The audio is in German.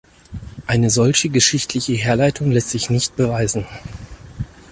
Eine solche geschichtliche Herleitung lässt sich nicht beweisen.